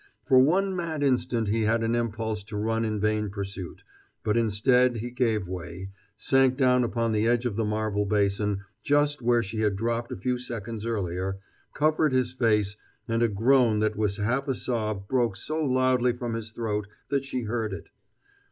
For one mad instant he had an impulse to run in vain pursuit, but instead he gave way, sank down upon the edge of the marble basin, just where she had dropped a few brief seconds earlier, covered his face, and a groan that was half a sob broke so loudly from his throat that she heard it.